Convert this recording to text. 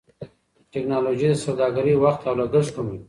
ټکنالوژي د سوداګرۍ وخت او لګښت کموي.